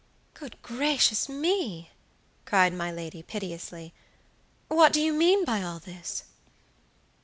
"Good gracious me!" cried my lady, piteously. "What do you mean by all this?"